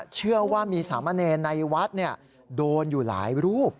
เชื่อว่ามีสามเณรในวัดโดนอยู่หลายรูป